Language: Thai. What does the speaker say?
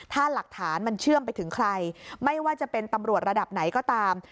ถ้าหลักฐานมันเชื่อมไปถึงใครไม่ว่าจะเป็นตำรวจระดับไหนก็ตาม